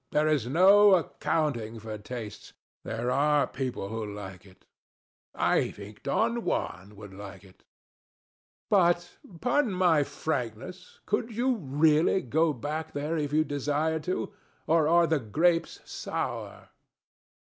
There is no accounting for tastes: there are people who like it. I think Don Juan would like it. DON JUAN. But pardon my frankness could you really go back there if you desired to; or are the grapes sour?